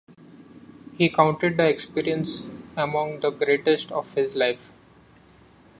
He counted the experience among the greatest of his life.